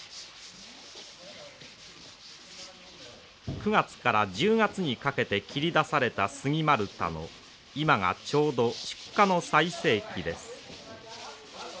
９月から１０月にかけて切り出された杉丸太の今がちょうど出荷の最盛期です。